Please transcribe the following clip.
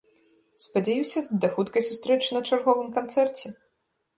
Спадзяюся, да хуткай сустрэчы на чарговым канцэрце!